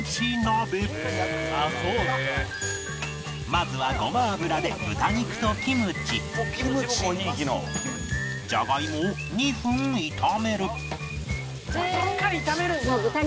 まずはごま油で豚肉とキムチジャガイモを２分炒める